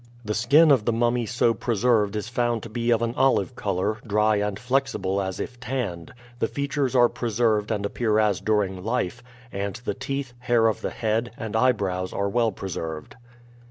The skin of the mummy so preserved is found to be of an olive color, dry and flexible as if tanned; the features are preserved and appear as during life, and the teeth, hair of the head, and eyebrows are well preserved.